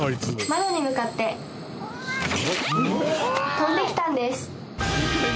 窓に向かって跳んできたんです。